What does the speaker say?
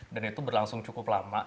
dan itu berlangsung cukup lama